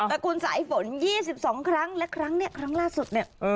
ระกูลสายฝน๒๒ครั้งและครั้งนี้ครั้งล่าสุดเนี่ย